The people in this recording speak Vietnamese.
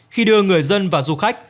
khi đưa người dân và du khách